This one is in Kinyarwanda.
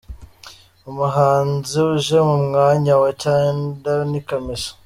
umuhanzi uje ku mwanya wa cyenda ni Kamichi.